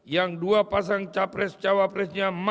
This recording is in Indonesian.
yang dua pasang capres cawapresnya mampu bersama